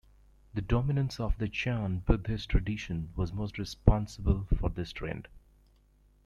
The dominance of the Ch'an Buddhist tradition was most responsible for this trend.